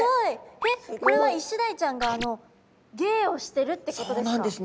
えっこれはイシダイちゃんが芸をしてるってことですか？